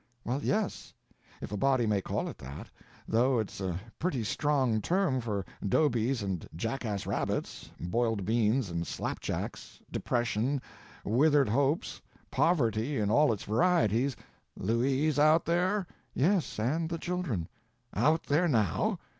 "Well, yes, if a body may call it that; though it's a pretty strong term for 'dobies and jackass rabbits, boiled beans and slap jacks, depression, withered hopes, poverty in all its varieties—" "Louise out there?" "Yes, and the children." "Out there now?"